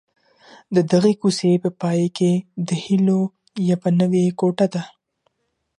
د دغي کوڅې په پای کي د هیلو یوه نوې کوټه ده.